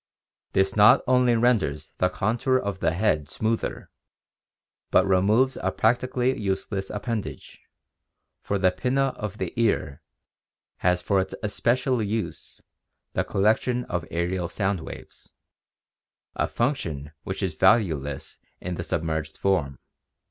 This not only renders the contour of the head smoother, but removes a practically useless appendage, for the pinna of the ear has for its especial use the collection of aerial sound waves, a function which is valueless in a submerged form.